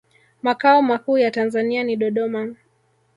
makao makuu ya tanzania ni dodoma